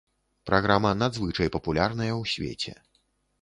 Праграма надзвычай папулярная ў свеце.